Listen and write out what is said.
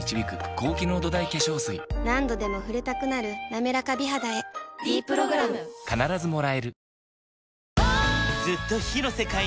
何度でも触れたくなる「なめらか美肌」へ「ｄプログラム」こちら。